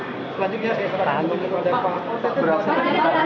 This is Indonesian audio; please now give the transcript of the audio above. selanjutnya saya serahkan kepada pak otet